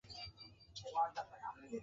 বিনিময়ে তার প্রাণও কেড়ে নাও তুমি!